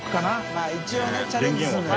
まぁ一応ねチャレンジするのよ。